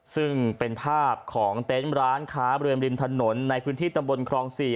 ซึ่งเป็นภาพของเต็มร้านขาเบลือนบริมถนนในพื้นที่ตำบลครองสี่